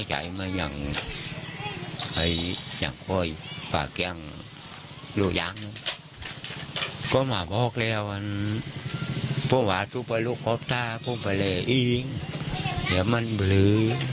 ถ้าผมไปเล่อีกอย่ามั่นเบลือ